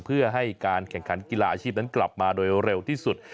เพื่อให้การแข่งขันกีฬาอาชีพนั้นกลับมาโดยเร็วที่สุด